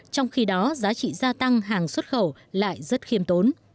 trong khi đó giá trị gia tăng hàng xuất khẩu lại rất khiêm tốn